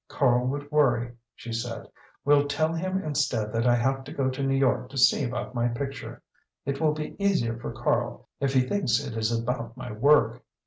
"Karl would worry," she said. "We'll tell him instead that I have to go to New York to see about my picture. It will be easier for Karl if he thinks it is about my work."